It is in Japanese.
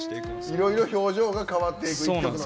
いろいろ表情が変わっていく１曲の中で。